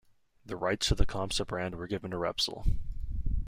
The rights to the Campsa brand were given to Repsol.